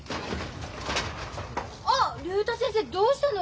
あっ竜太先生どうしたの！？